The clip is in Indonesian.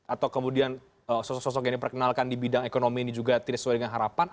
atau kemudian sosok sosok yang diperkenalkan di bidang ekonomi ini juga tidak sesuai dengan harapan